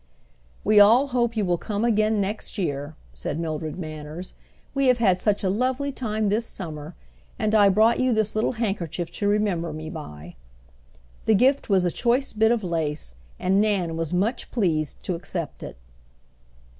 "We all hope you will come again next year," said Mildred Manners. "We have had such a lovely time this summer. And I brought you this little handkerchief to remember me by." The gift was a choice bit of lace, and Nan was much pleased to accept it.